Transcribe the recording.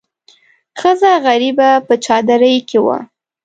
ښځه غریبه په چادرۍ کې وه.